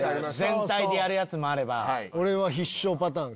全体でやるやつもあれば。